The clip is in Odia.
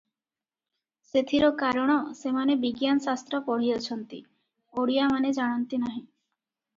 ସେଥିର କାରଣ, ସେମାନେ ବିଜ୍ଞାନ ଶାସ୍ତ୍ର ପଢ଼ିଅଛନ୍ତି; ଓଡ଼ିଆ ମାନେ ଜାଣନ୍ତି ନାହିଁ ।